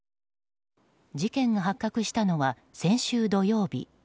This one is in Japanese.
事件が発覚したのは先週土曜日。